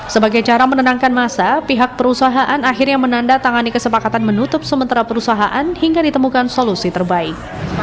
sebagai cara menenangkan masa pihak perusahaan akhirnya menandatangani kesepakatan menutup sementara perusahaan hingga ditemukan solusi terbaik